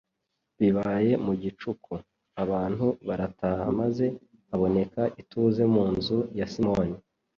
Bibaye mu gicuku, abantu barataha maze haboneka ituze mu nzu ya Simoni.